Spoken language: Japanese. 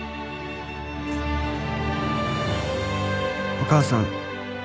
「お母さん」